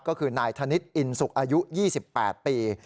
ก็คือนายธนิษฐ์อินสุกอายุ๒๘ปี